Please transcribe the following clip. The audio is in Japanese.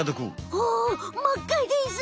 おおまっかです！